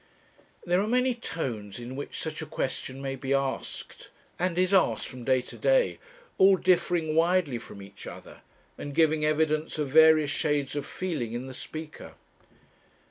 There are many tones in which such a question may be asked and is asked from day to day all differing widely from each other, and giving evidence of various shades of feeling in the speaker.